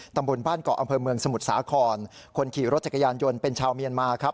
ตำบลบ้านเกาะอำเภอเมืองสมุทรสาครคนขี่รถจักรยานยนต์เป็นชาวเมียนมาครับ